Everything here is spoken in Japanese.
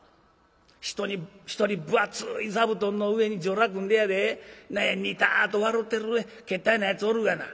一人分厚い座布団の上にじょら組んでやで何やニタッと笑ってるけったいなやつおるがな。